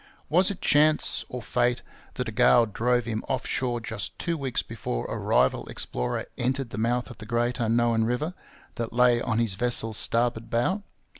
Was it chance, or fate, that a gale drove him off shore just two weeks before a rival explorer entered the mouth of the great unknown river that lay on his vessel's starboard bow?